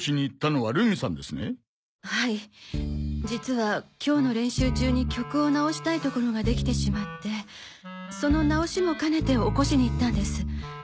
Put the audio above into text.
実は今日の練習中に曲を直したいところが出来てしまってその直しも兼ねて起こしに行ったんです。